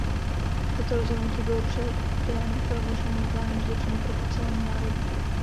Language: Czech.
Toto rozhodnutí bylo předem promyšleným plánem zločinu proti celému národu.